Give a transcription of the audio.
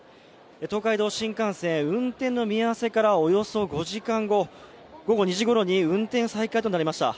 東海道新幹線、運転の見合わせからおよそ５時間後、午後２時ごろに運転再開となりました。